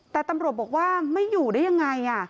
แต่ตำรวจบอกว่าไม่อยู่ได้ยังไง